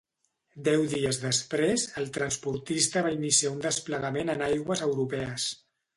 Deu dies després, el transportista va iniciar un desplegament en aigües europees.